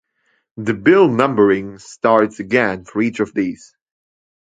The bill numbering starts again for each of these.